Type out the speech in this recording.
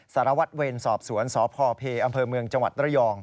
สารวัตรเวรสอบสวนสพเพอเมืองจระย